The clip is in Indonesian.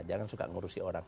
jangan suka ngurusin orang